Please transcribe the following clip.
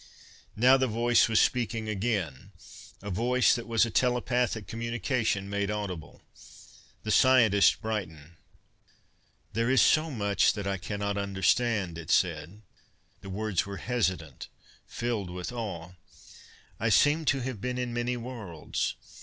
Now the voice was speaking again; a voice that was a telepathic communication made audible. The scientists brightened. "There is much that I cannot understand," it said. The words were hesitant, filled with awe. "I seem to have been in many worlds.